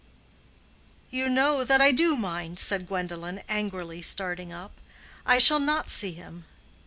"You know that I do mind," said Gwendolen, angrily, starting up. "I shall not see him."